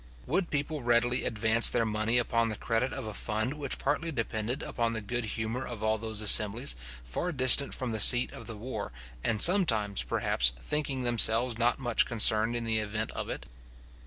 Would people readily advance their money upon the credit of a fund which partly depended upon the good humour of all those assemblies, far distant from the seat of the war, and sometimes, perhaps, thinking themselves not much concerned in the event of it?